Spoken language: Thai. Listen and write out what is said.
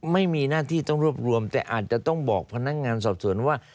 ไม่มีหน้าที่ต้องรวบรวมแต่อาจจะต้องบอกพนักงานสอบสวนว่า